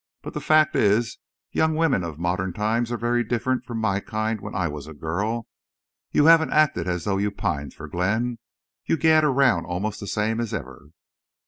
But the fact is young women of modern times are very different from my kind when I was a girl. You haven't acted as though you pined for Glenn. You gad around almost the same as ever."